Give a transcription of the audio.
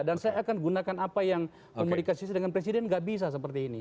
dan saya akan gunakan apa yang memiliki sisi dengan presiden nggak bisa seperti ini